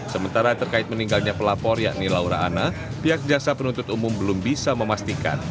sementara terkait meninggalnya pelapor yakni laura anna pihak jaksa penuntut umum belum bisa memastikan